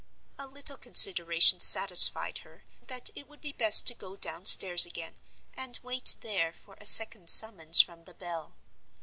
A little consideration satisfied her that it would be best to go downstairs again, and wait there for a second summons from the bell.